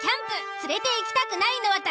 連れていきたくないのは誰？